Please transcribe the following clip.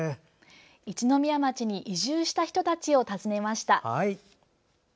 一宮町に移住した人たちを訪ねました。